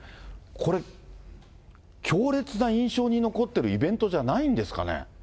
これ、強烈な印象に残ってるイベントじゃないんですかね。